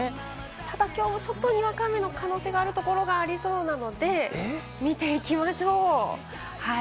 ただ、きょうもにわか雨の可能性があるところがありそうなので、見ていきましょう。